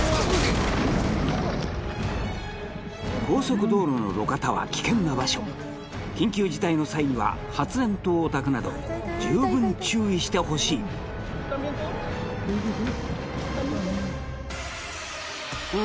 高速道路の路肩は危険な場所緊急事態の際には発煙筒をたくなど十分注意してほしいん！？